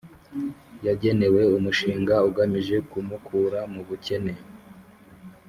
yagenewe Umushinga Ugamije kumukura mu bukene